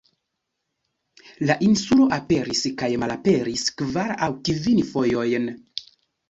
La insulo aperis kaj malaperis kvar aŭ kvin fojojn.